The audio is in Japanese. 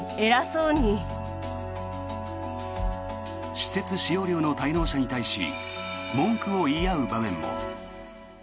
施設使用料の滞納者に対し文句を言い合う場面も。